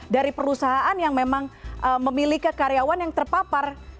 dari perusahaan yang memang memiliki karyawan yang terpapar